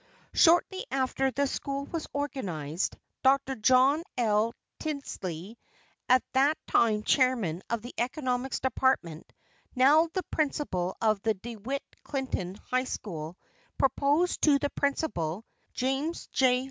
Shortly after the school was organized, Dr. John L. Tildsley, at that time chairman of the Economics Department, now the principal of the De Witt Clinton High School, proposed to the principal, James J.